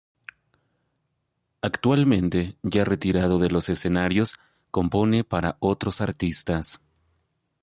Actualmente, ya retirado de los escenarios, compone para otros artistas.